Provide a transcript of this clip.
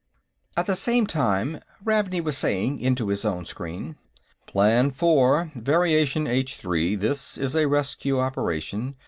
At the same time, Ravney was saying, into his own screen: "Plan Four. Variation H 3; this is a rescue operation.